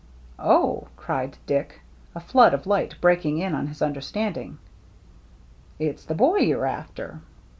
" Oh," cried Dick, a flood of light breaking in on his understanding, " it's the boy you're after."